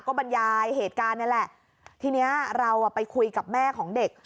ก็บรรยายเหตุการณ์นี่แหละทีเนี้ยเราอ่ะไปคุยกับแม่ของเด็ก